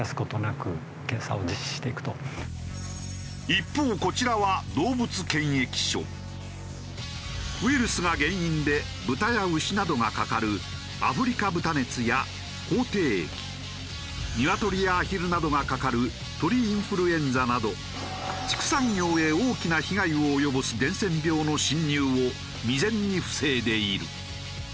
一方こちらはウイルスが原因で豚や牛などがかかるアフリカ豚熱や口蹄疫ニワトリやアヒルなどがかかる鳥インフルエンザなど畜産業へ大きな被害を及ぼす伝染病の侵入を未然に防いでいる。